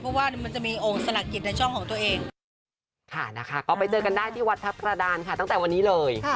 เพราะว่ามันจะมีโอ้งสละกิจในช่องของตัวเอง